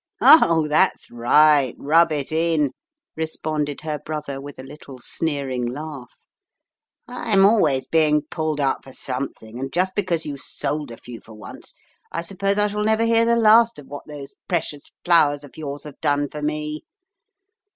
"Oh, that's right, rub it in/' responded her brother with a little sneering laugh. "I'm always being pulled up for something and just because you sold a few for once, I suppose I shall never hear the last of what those precious flowers of yours have done for me.